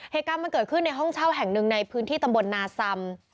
เหตุการณ์มันเกิดขึ้นในห้องเช่าแห่งหนึ่งในพื้นที่ตำบลนาซำ